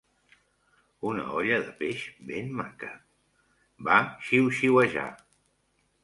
"Una olla de peix ben maca", va xiuxiuejar.